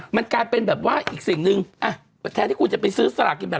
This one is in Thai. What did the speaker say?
มันกลายเป็นแบบว่าอีกสิ่งหนึ่งแทนที่คุณจะไปซื้อสลากกินแบบ